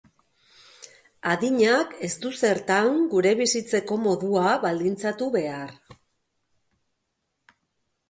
Adinak ez du zertan gure bizitzeko modua baldintzatu behar.